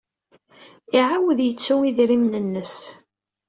Iɛawed yettu idrimen-nnes.